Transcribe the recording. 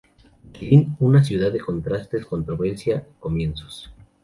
Berlín: una ciudad de contrastes, controversia, comienzos.